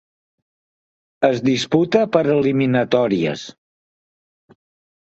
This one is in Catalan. Es disputa per eliminatòries.